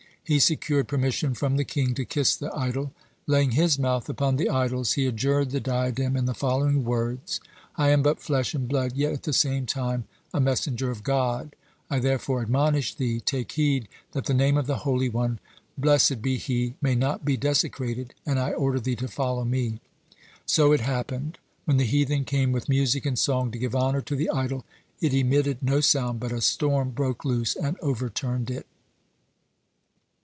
He secured permission from the king to kiss the idol. Laying his mouth upon the idol's, he adjured the diadem in the following words: "I am but flesh and blood, yet at the same time a messenger of God. I therefore admonish thee, take heed that the Name of the Holy One, blessed be He, may not be desecrated, and I order thee to follow me." So it happened. When the heathen came with music and song to give honor to the idol, it emitted no sound, but a storm broke loose and overturned it.